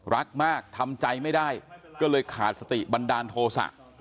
รักมากทำใจไม่ได้ก็เลยขาดสติบันดาลโทษะ